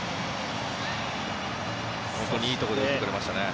本当にいいところで打ってくれましたね。